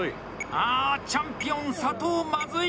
あ、チャンピオン佐藤まずい！